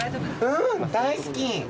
うん大好き。